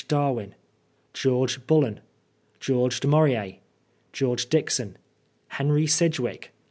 Darwin George Bullen George Du Manrier George Dixon Henry Sidgwick.